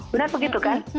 benar begitu kan